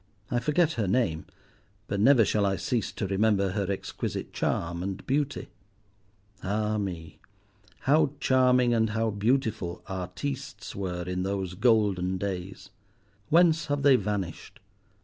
I forget her name but never shall I cease to remember her exquisite charm and beauty. Ah, me! how charming and how beautiful "artistes" were in those golden days! Whence have they vanished?